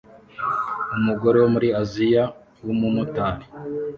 Umugore wo muri Aziya wumumotari